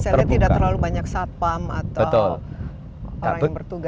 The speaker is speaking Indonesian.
saya lihat tidak terlalu banyak satpam atau orang yang bertugas